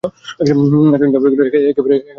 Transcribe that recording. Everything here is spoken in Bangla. এতদিন যা ভাবছিলুম একেবারে তার উলটো।